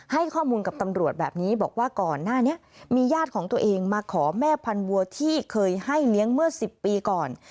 ให้ข้อมูลกับตำรวจแบบนี้บอกว่าก่อนหน้านี้มีญาติของตัวเองมาขอแม่พันวัวที่เคยให้เลี้ยงเมื่อ๑๐ปีก่อน